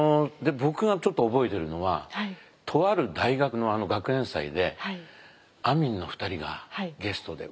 僕がちょっと覚えてるのはとある大学の学園祭であみんの２人がゲストで。